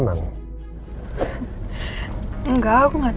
ini kak pat